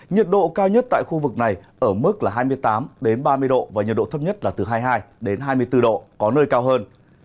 nhiệt độ cao nhất tại khu vực này ở mức là hai mươi tám ba mươi độ và nhiệt độ thấp nhất là từ hai mươi hai hai mươi bốn độ có nơi cao hơn